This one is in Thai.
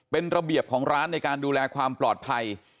เป็นระเบียบของร้านในการดูแลความปลอดภัย